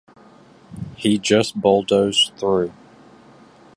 He just bulldozed through.